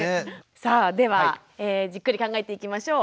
さあではじっくり考えていきましょう。